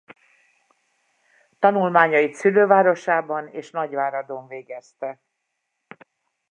Tanulmányait szülővárosában és Nagyváradon végezte.